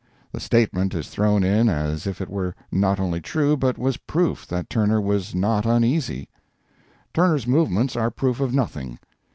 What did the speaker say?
The statement is thrown in as if it were not only true, but was proof that Turner was not uneasy. Turner's movements are proof of nothing.